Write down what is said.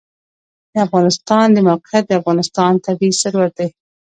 د افغانستان د موقعیت د افغانستان طبعي ثروت دی.